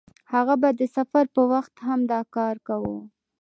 هغه به د سفر په وخت هم دا کار کاوه.